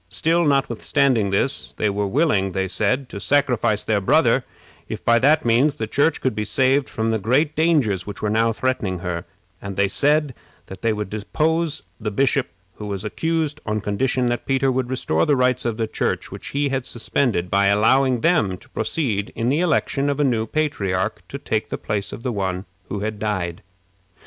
Still, notwithstanding this, they were willing, they said, to sacrifice their brother if by that means the Church could be saved from the great dangers which were now threatening her; and they said that they would depose the bishop who was accused on condition that Peter would restore the rights of the Church which he had suspended, by allowing them to proceed to the election of a new patriarch, to take the place of the one who had died.